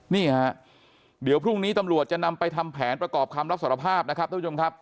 นี่ฮะเดี๋ยวพรุ่งนี้ตำรวจจะนำไปทำแผนประกอบคำรับสารภาพนะครับท่านผู้ชมครับ